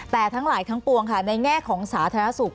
แต่ทั้งหลายทั้งปวงค่ะในแง่ของสาธารณสุข